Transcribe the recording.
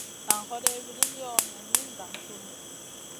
Nan hoday wilin yoh? Nen min gang sunu.